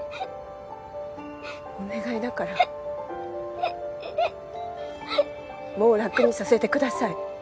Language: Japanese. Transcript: お願いだからもう楽にさせてください。